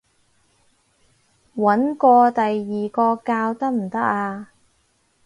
搵過第二個教得唔得啊？